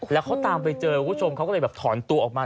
แล้วเขาตามไปเจอคุณผู้ชมเขาก็เลยแบบถอนตัวออกมา